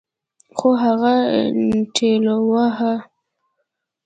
خو هغه ټېلوهه.